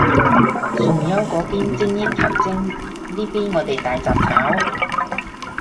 崇優嗰邊精益求精，呢邊我哋大雜炒